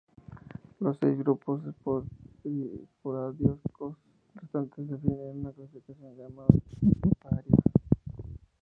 Los seis grupos esporádicos restantes definen una clasificación llamada los grupos "paria".